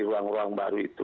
ruang ruang baru itu